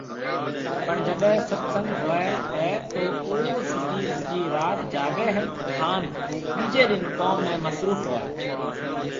پڻ جڏي ست سنگ هوئي هي تو او سجي سجي رات جاگي هي هان ٻيجي ڏن ڪوم ۾ مصروف هوئي